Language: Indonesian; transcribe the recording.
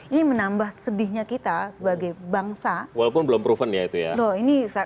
ini menambah sedihnya kita sebagai bangsa walaupun belum proven yaitu ya loh ini saya